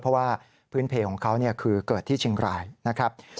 เพราะว่าพื้นเพลของเขาคือเกิดที่เชียงรายนะครับ